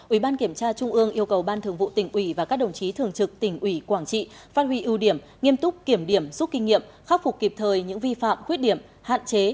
ủy ban kiểm tra trung ương yêu cầu ban thường vụ tỉnh ủy và các đồng chí thường trực tỉnh ủy quảng trị phát huy ưu điểm nghiêm túc kiểm điểm rút kinh nghiệm khắc phục kịp thời những vi phạm khuyết điểm hạn chế